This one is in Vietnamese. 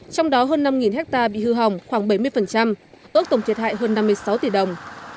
trong đó hơn năm hectare bị hư hỏng khoảng bảy mươi ước tổng thiệt hại hơn năm mươi sáu tỷ đồng